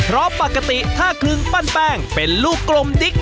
เพราะปกติถ้าคลึงปั้นแป้งเป็นลูกกลมดิ๊ก